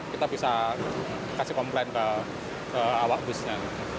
kita bisa kasih komplain ke awak busnya